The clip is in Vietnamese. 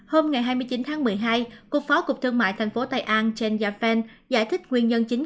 hôm hai mươi chín tháng một mươi hai cục phó cục thương mại tây an chen yafen giải thích nguyên nhân chính